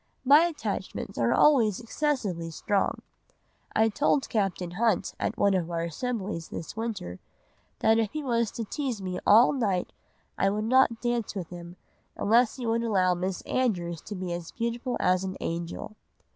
My attachments are always excessively strong. I told Captain Hunt at one of our assemblies this winter, that if he was to tease me all night, I would not dance with him unless he would allow Miss Andrews to be as beautiful as an angel.